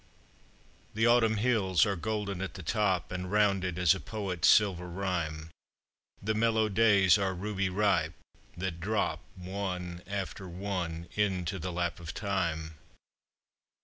The Autumn hills are golden at the top, And rounded as a poet's silver rhyme; The mellow days are ruby ripe, that drop One after one into the lap of time.